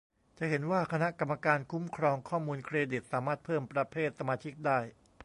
จะเห็นว่า คณะกรรมการคุ้มครองข้อมูลเครดิตสามารถเพิ่มประเภทสมาชิกได้